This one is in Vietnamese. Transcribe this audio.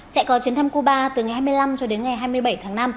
sẽ có chuyến thăm cuba từ ngày hai mươi năm cho đến ngày hai mươi bảy tháng năm